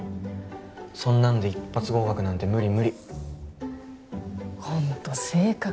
そんなんで一発合格なんて無理無理ホント性格